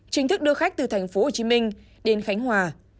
chính thức đưa khách từ tp hcm đến khánh hòa